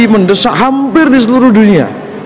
mendesak hampir di seluruh dunia